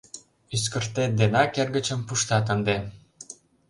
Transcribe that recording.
— Ӱскыртет денак эргычым пуштат ынде...